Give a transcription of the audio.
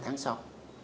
hai tháng sau